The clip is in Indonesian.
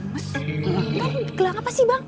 mas gelang apa sih bang